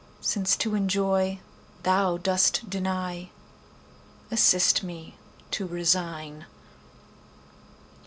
—Since to enjoy Thou dost deny, Assist me to resign.